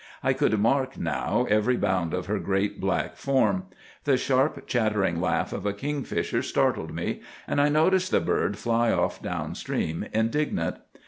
I could mark now every bound of her great black form. The sharp chattering laugh of a kingfisher startled me, and I noticed the bird fly off down stream indignant.